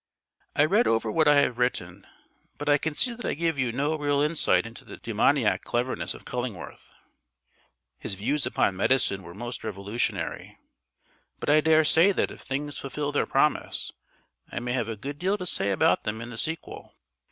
I read over what I have written, but I can see that I give you no real insight into the demoniac cleverness of Cullingworth. His views upon medicine were most revolutionary, but I daresay that if things fulfil their promise I may have a good deal to say about them in the sequel.